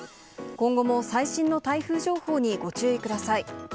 今後も最新の台風情報にご注意ください。